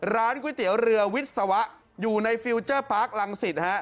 ร้านก๋วยเตี๋ยวเรือวิศวะอยู่ในฟิลเจอร์ปาร์คลังศิษย์ฮะ